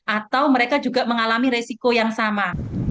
atau mereka juga mengalami resiko yang sama